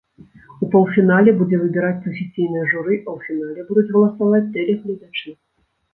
У паўфінале будзе выбіраць прафесійнае журы, а ў фінале будуць галасаваць тэлегледачы.